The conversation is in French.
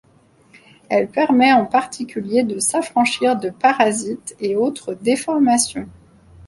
Elle permet en particulier de s'affranchir de parasites et autre déformations.